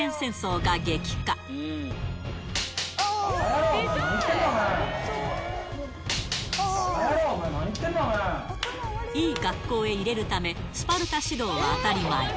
ばか野郎、いい学校へ入れるため、スパルタ指導は当たり前。